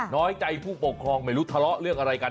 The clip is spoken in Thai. น้อยใจผู้ปกครองไม่รู้ทะเลาะเรื่องอะไรกัน